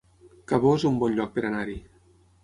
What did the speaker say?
Cabó es un bon lloc per anar-hi